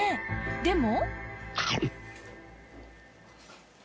でも